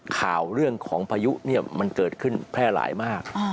ข่าวเรื่องของพายุเนี่ยมันเกิดขึ้นแพร่หลายมาก